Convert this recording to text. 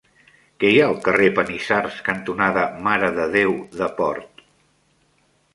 Què hi ha al carrer Panissars cantonada Mare de Déu de Port?